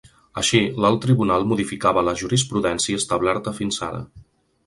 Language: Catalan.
Així, l’alt tribunal modificava la jurisprudència establerta fins ara.